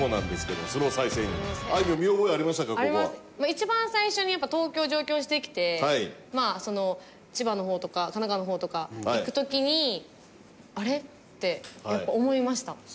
一番最初にやっぱ東京上京してきて千葉の方とか神奈川の方とか行く時に「あれ？」ってやっぱ思いました。